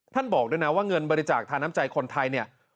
บอกด้วยนะว่าเงินบริจาคทาน้ำใจคนไทยเนี่ย